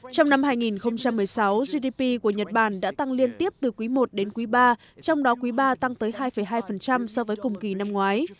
trong năm hai nghìn một mươi sáu gdp của nhật bản đã tăng liên tiếp từ quý i đến quý ba trong đó quý ba tăng tới hai hai so với cùng kỳ năm ngoái